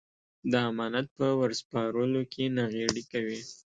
د امانت په ور سپارلو کې ناغېړي کوي.